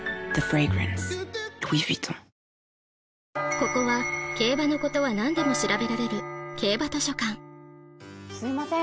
ここは競馬のことはなんでも調べられる競馬図書館すいません